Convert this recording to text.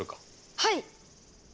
はい！